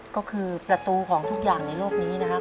ก็คือประตูของทุกอย่างในโลกนี้นะครับ